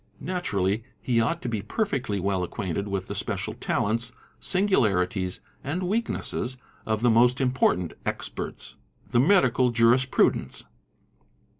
Naturally he ought to be perfectly well acquainted with the special talents, singularities, and — weaknesses, of the most important experts—the medical jurisprudents.